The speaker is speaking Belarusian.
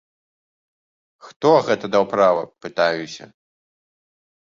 Хто гэта даў права, пытаюся!?